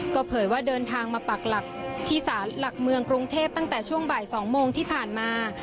ก็เผยว่าเดินทางมาปักหลักที่สารหลักเมืองกรุงเทพตั้งแต่ช่วงบ่าย๒โมงที่ผ่านมา